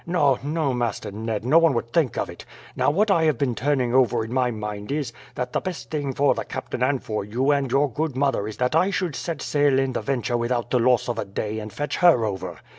"No, no, Master Ned; no one would think of it. Now, what I have been turning over in my mind is, that the best thing for the captain and for you and your good mother is that I should set sail in the Venture without the loss of a day and fetch her over.